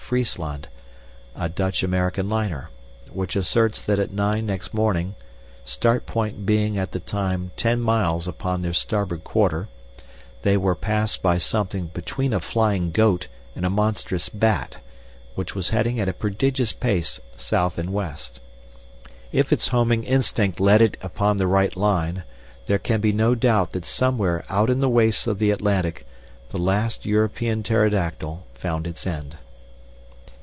Friesland, a Dutch American liner, which asserts that at nine next morning, Start Point being at the time ten miles upon their starboard quarter, they were passed by something between a flying goat and a monstrous bat, which was heading at a prodigious pace south and west. If its homing instinct led it upon the right line, there can be no doubt that somewhere out in the wastes of the Atlantic the last European pterodactyl found its end.